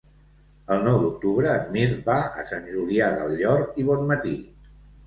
El nou d'octubre en Mirt va a Sant Julià del Llor i Bonmatí.